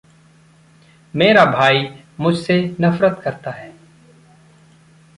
मेरा भाई मुझ से नफ़रत करता है।